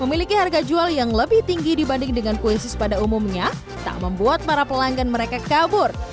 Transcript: memiliki harga jual yang lebih tinggi dibanding dengan kuisis pada umumnya tak membuat para pelanggan mereka kabur